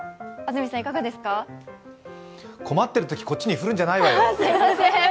困ってるときこっちに振るんじゃないわよ！